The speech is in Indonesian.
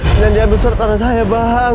jangan diambil surat tanah saya bang